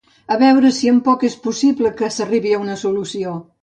A veure si en poc és possible que s'arribi a una solució!